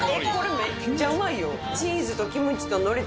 めっちゃうまい。